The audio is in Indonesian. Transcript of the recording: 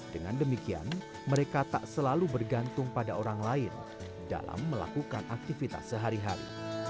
dengan demikian mereka tak selalu bergantung pada orang lain dalam melakukan aktivitas sehari hari